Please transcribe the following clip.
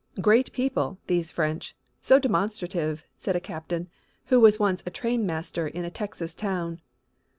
"Great people, these French, so demonstrative," said a captain, who was once a trainmaster in a Texas town.